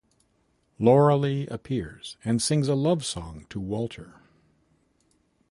Loreley appears and sings a love song to Walter.